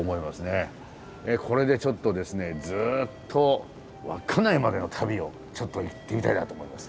これでちょっとですねずっと稚内までの旅をちょっと行ってみたいなと思います。